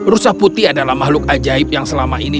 rusa putih adalah makhluk ajaib yang selama ini